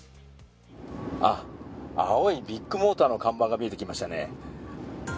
青いビッグモーターの看板が見えてきましたね。